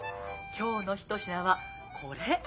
今日の一品はこれ！